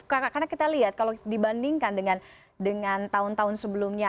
karena kita lihat kalau dibandingkan dengan tahun tahun sebelumnya